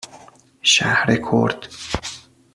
شهرکرد